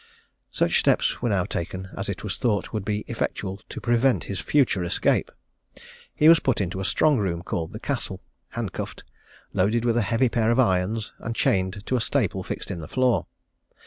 Such steps were now taken as it was thought would be effectual to prevent his future escape. He was put into a strong room, called the Castle, handcuffed, loaded with a heavy pair of irons, and chained to a staple fixed in the floor.